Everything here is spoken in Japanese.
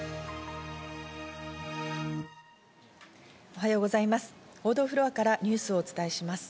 おはようございます。